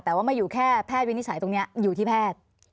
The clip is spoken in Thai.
แต่ว่าไม่อยู่แค่แพทย์วินิจฉัยตรงนี้อยู่ที่แพทย์